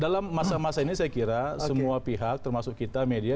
dalam masa masa ini saya kira semua pihak termasuk kita media